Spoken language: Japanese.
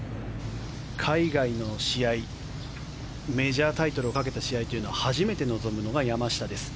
海外の試合メジャータイトルをかけた試合というのは初めて臨むのが山下です。